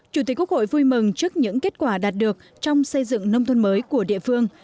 chủ tịch quốc hội vui mừng trước những kết quả đạt được trong xây dựng nông thôn mới của địa phương